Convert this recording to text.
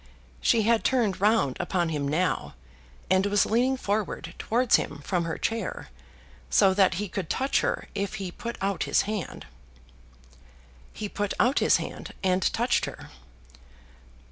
She had turned round upon him now, and was leaning forward towards him from her chair, so that he could touch her if he put out his hand. He put out his hand and touched her.